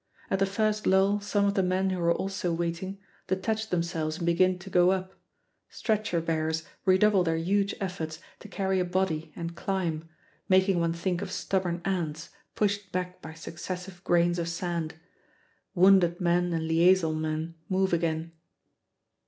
At the first lull, some of the men who were also waiting detach themselves and begin to go up; stretcher bearers redouble their huge efforts to carry a body and climb, making one think of stubborn ants pushed back by successive grains of sand; wounded men and liaison men move again.